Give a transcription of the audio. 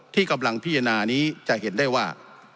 ที่กำลังพิจารณานี้จะเห็นได้ว่า